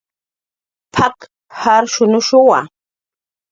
"P""ak"" jarshunushuwa "